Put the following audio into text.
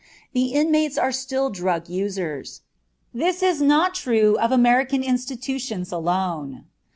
The inmates are still drug users. This is not true of American institutions alone.